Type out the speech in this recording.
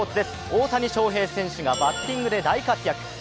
大谷翔平選手がバッティングで大活躍。